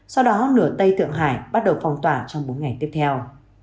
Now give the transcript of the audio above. sau đó lửa tây thượng hải bắt đầu phong tỏa trong bốn ngày tiếp theo